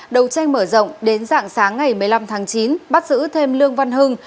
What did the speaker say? đầu tranh mở rộng đến dạng sáng ngày một mươi năm tháng chín bắt giữ thêm lương văn hưng